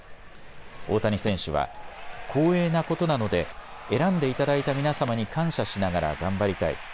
大谷選手は、光栄なことなので選んでいただいた皆様に感謝しながら頑張りたい。